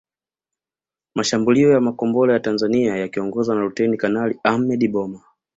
Mashambulio ya makombora ya Tanzania yakiongozwa na Luteni Kanali Ahmed Boma